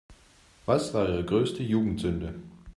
Was war Ihre größte Jugendsünde?